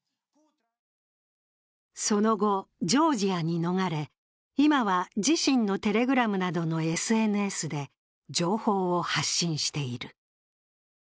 その後、ジョージアに逃れ今は自身のテレグラムなどのＳＮＳで情報を発信している。